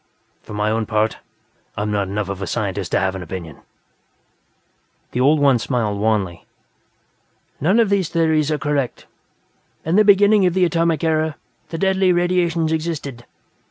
For my own part, I'm not enough of a scientist to have an opinion." The old one smiled wanly. "None of these theories are correct. In the beginning of the Atomic Era, the Deadly Radiations existed.